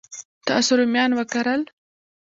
تاسو رومیان وکرل؟